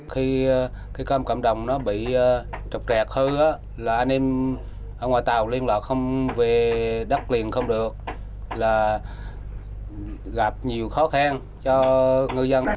khi cơm cộng đồng bị trọc trẹt hư anh em ở ngoài tàu liên lạc không về đất liền không được là gặp nhiều khó khăn cho ngư dân